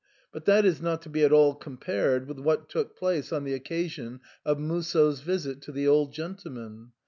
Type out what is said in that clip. But that is not to be at all compared with what took place on the occasion of Musso's visit to the old gentleman.